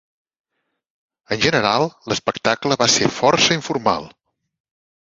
En general, l'espectacle va ser força informal.